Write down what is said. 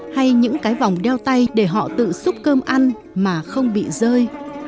hay những cái vòng đeo tay để họ tự xúc cơm ăn mà không bị rơi